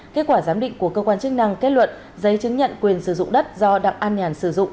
kết quả giám định của cơ quan chức năng kết luận giấy chứng nhận quyền sử dụng đất do đặng an nhàn sử dụng